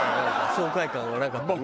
爽快感がなかったね。